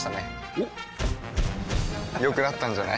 おっ良くなったんじゃない？